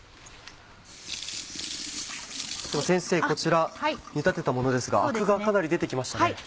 こちら煮立てたものですがアクがかなり出て来ましたね。